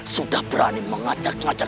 sudah berani mengajak ajak